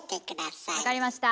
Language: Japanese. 分かりました。